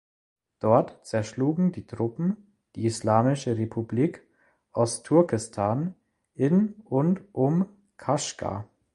Dort zerschlugen die Truppen die Islamische Republik Ostturkestan in und um Kaschgar.